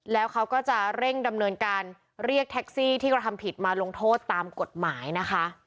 แล้วเขาก็จะเร่งดำเนินการเรียกแท็กซี่ที่กระทำผิดมาลงโทษตามกฎหมายนะคะ